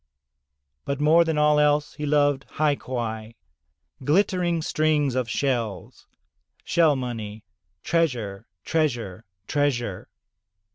But more than all else he loved hai quai — glittering strings of shells — ^shell money — treasure, treasure, treasure.